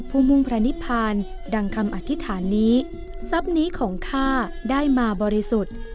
มุ่งพระนิพานดังคำอธิษฐานนี้ทรัพย์นี้ของข้าได้มาบริสุทธิ์